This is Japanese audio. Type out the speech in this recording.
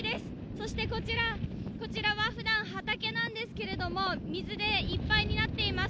そして、こちらはふだん畑なんですけれども、水でいっぱいになっています。